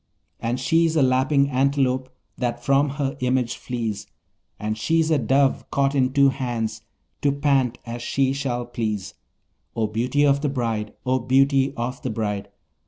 And she's a lapping antelope that from her image flees; And she's a dove caught in two hands, to pant as she shall please; O beauty of the bride! O beauty of the bride!